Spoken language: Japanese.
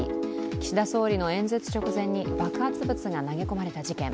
岸田総理の演説直前に爆発物が投げ込まれた事件。